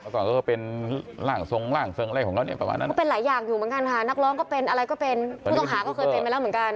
ก่อนก็เป็นร่างทรงร่างทรงอะไรของเขาเนี่ยประมาณนั้นก็เป็นหลายอย่างอยู่เหมือนกันค่ะนักร้องก็เป็นอะไรก็เป็นผู้ต้องหาก็เคยเป็นไปแล้วเหมือนกัน